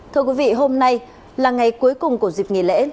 thưa quý vị hôm nay là ngày cuối cùng của dịp nghỉ lễ